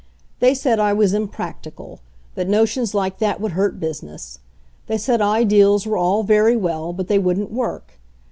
They said I was impractical, that notions like that would hurt business. They said ideals "were all very well, but they wouldn't work.